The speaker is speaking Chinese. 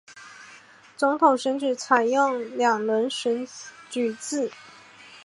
总统选举采用两轮选举制。